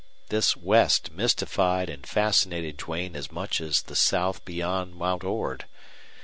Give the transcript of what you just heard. This west mystified and fascinated Duane as much as the south beyond Mount Ord.